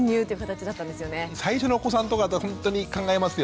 最初のお子さんとかだったらほんとに考えますよね。